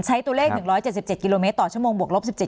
ใช้ตัวเลขหนึ่งร้อยเจ็ดสิบเจ็ดกิโลเมตรต่อชั่วโมงบวกลบสิบเจ็ด